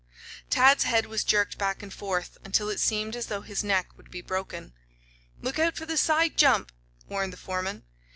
Tad's head was jerked back and forth until it seemed as though his neck would be broken. "Look out for the side jump!" warned the foreman.